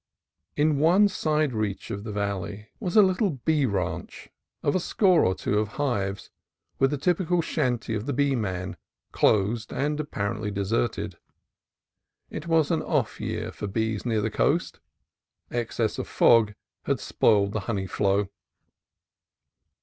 In one side reach of the valley was a little bee ranch of a score or two of hives, with the typical shanty of the bee man closed and apparently deserted. It was an "off year" for bees near the coast: excess of fog had spoiled the honey flow.